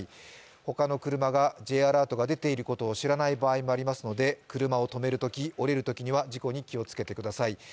他の車がＪアラートが出ていることを知らない場合もありますので車を止めるとき、降りるときには事故に気をつけてください。